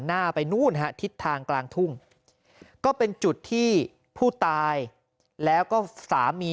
หน้าไปนู่นฮะทิศทางกลางทุ่งก็เป็นจุดที่ผู้ตายแล้วก็สามี